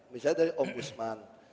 misalnya dari ombusman